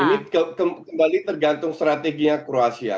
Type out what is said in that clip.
ini kembali tergantung strateginya kroasia